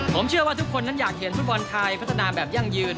ผมเชื่อว่าทุกคนนั้นอยากเห็นฟุตบอลไทยพัฒนาแบบยั่งยืน